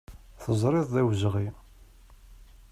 Teẓriḍ d awezɣi.